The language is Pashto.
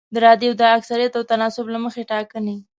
د رایو د اکثریت او تناسب له مخې ټاکنې